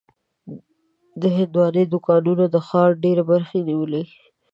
د هندوانو دوکانونه د ښار ډېره برخه نیولې.